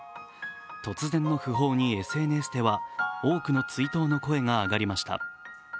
突然の訃報にＳＮＳでは多くの追悼の声が上がりました。